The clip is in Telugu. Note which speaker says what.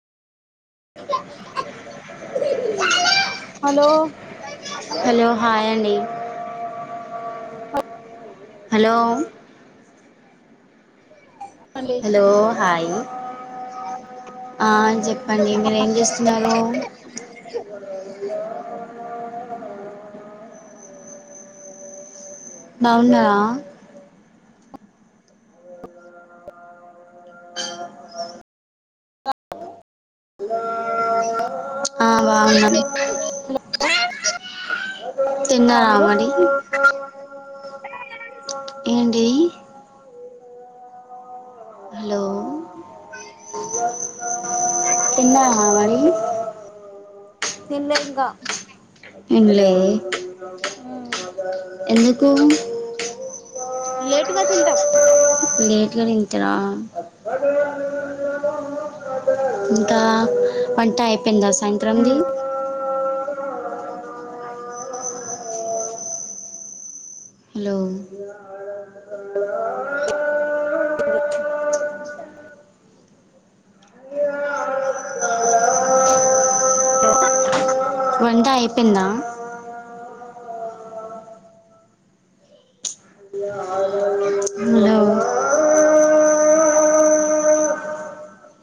Speaker 1: హలో హాయ్ అండి హలో హలో హాయ్ ఆ చెప్పండి మీరు ఏం చేస్తున్నారు బావున్నార ఆ బాగున్నాం. తిన్నార మడి. ఏంటి. హలో. తిన్నవా మడి.
Speaker 2: తిన్లే ఇంగా.
Speaker 1: తిన్లే, ఎందుకు?
Speaker 2: లే
Speaker 1: లేట్గా తింటారా. ఇంకా, వంట అయిపోయిందా అస్, సాయంత్రంధీ. హలో.
Speaker 2: తెలీ [inaudible] [inaudible]
Speaker 1: వంట అయిపోయిందా. హలో.